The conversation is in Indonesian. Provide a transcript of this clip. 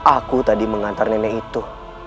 aku tadi mengantar nenek itu